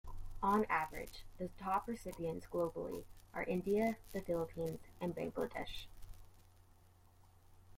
On average, the top recipients globally are India, the Philippines, and Bangladesh.